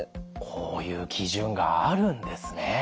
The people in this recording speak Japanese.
こういう基準があるんですね。